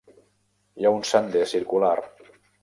Hi ha un sender circular.